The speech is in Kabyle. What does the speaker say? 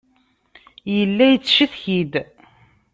Yella yettcetki-d.